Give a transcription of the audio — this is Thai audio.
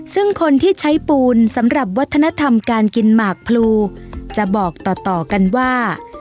ซึ่งคนที่ใช้ปูนสำหรับวัฒนธรรมการกินหมากพลูจะบอกต่อกันว่า